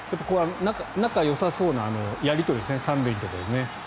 仲よさそうなやり取りですね３塁のところで。